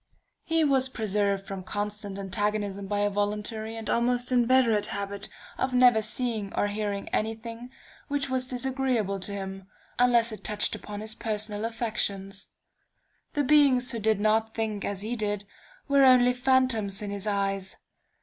"He was preserved from constant antagonism by a voluntary and almost inveterate habit of never seeing or hearing any thing which was disagreeable to him, unless it touched upon his personal affections. The beings who did not think as he did, were only phantoms in his eyes.